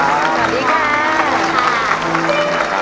สวัสดีค่ะ